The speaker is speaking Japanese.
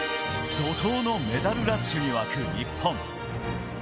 怒涛のメダルラッシュに沸く日本。